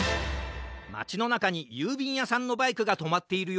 まちのなかにゆうびんやさんのバイクがとまっているよ。